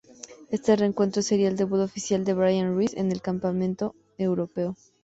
Este encuentro sería el debut oficial de Bryan Ruiz en este campeonato europeo.